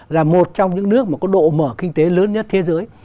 là một trong những nước mà có độ mở kinh tế lớn nhất thế giới